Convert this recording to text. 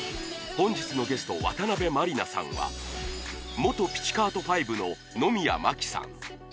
本日のゲスト渡辺満里奈さんは元ピチカート・ファイヴの野宮真貴さん